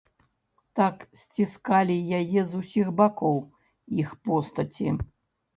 Так сціскалі яе з усіх бакоў іх постаці.